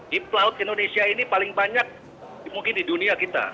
di pelaut indonesia ini paling banyak mungkin di dunia kita